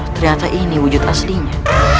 ternyata ini wujud aslinya